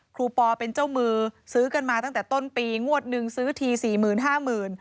รูปอเป็นเจ้ามือซื้อกันมาตั้งแต่ต้นปีงวดหนึ่งซื้อทีสี่หมื่นห้าหมื่น